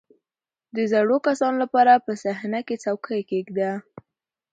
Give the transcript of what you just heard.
• د زړو کسانو لپاره په صحنه کې څوکۍ کښېږده.